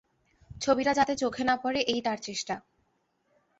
ছবিটা যাতে চোখে না পড়ে এই তার চেষ্টা।